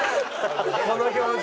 この表情。